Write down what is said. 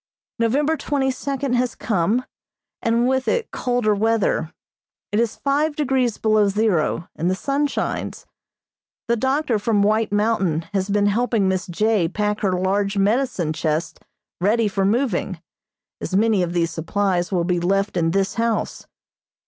November twenty second has come, and with it colder weather. It is five degrees below zero, and the sun shines. The doctor from White Mountain has been helping Miss J. pack her large medicine chest ready for moving, as many of these supplies will be left in this house.